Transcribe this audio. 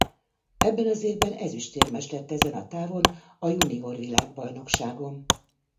Ebben az évben ezüstérmes lett ezen a távon a junior világbajnokságon.